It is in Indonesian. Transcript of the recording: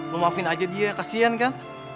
lo maafin aja dia kasihan kan